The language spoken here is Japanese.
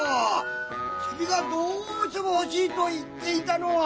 チビがどうしても欲しいと言っていたのは。